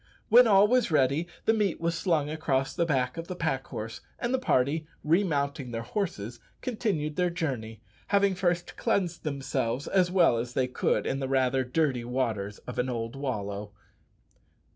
When all was ready the meat was slung across the back of the pack horse; and the party, remounting their horses, continued their journey, having first cleansed themselves as well as they could in the rather dirty waters of an old wallow.